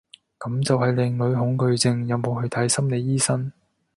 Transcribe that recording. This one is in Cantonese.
噉就係靚女恐懼症，有冇去睇心理醫生？